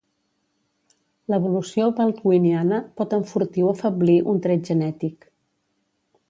L'evolució baldwiniana pot enfortir o afeblir un tret genètic.